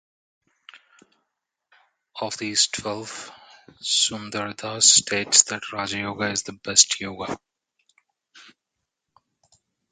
Of these twelve, Sundardas states that Rajayoga is the best yoga.